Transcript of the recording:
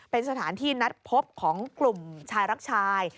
เป็นสถานที่นัดพบของกลุ่มชายรักชาย